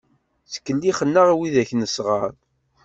Ttkellixen-aɣ wid-ak nesɣeṛ.